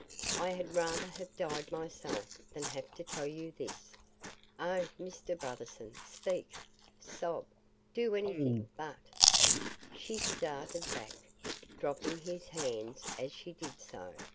I had rather have died myself than have to tell you this. Oh, Mr. Brotherson, speak, sob, do anything but " She started back, dropping his hands as she did so.